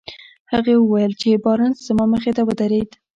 هغه وويل چې بارنس زما مخې ته ودرېد.